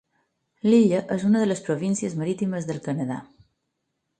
L'illa és una de les províncies marítimes del Canadà.